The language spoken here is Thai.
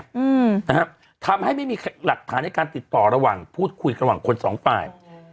อืมนะฮะทำให้ไม่มีหลักฐานในการติดต่อระหว่างพูดคุยระหว่างคนสองฝ่ายอืม